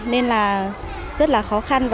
nên là rất là khó khăn